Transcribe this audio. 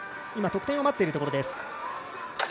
今、得点を待っているところです。